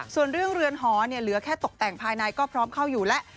ส่วนเรื่องเรือนหอเหลือแค่ตกแต่งภายในก็พร้อมเข้าอยู่แล้ว